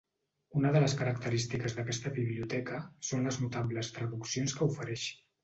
Una de les característiques d'aquesta biblioteca són les notables traduccions que ofereix.